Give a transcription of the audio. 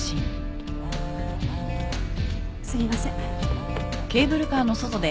すみません。